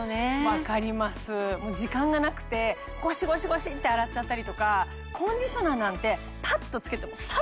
分かります時間がなくてゴシゴシゴシって洗っちゃったりとかコンディショナーなんてパッとつけてサッと流しちゃいますからね。